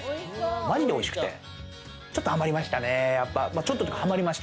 マジでおいしくて、ちょっとはまりましたね。